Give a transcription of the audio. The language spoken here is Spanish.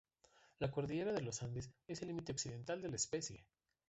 La cordillera de los Andes es el límite occidental de la especie.